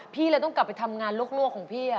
พี่เลยต้องกลับไปทำงานลวกของพี่